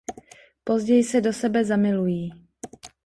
Později se do sebe zamilují.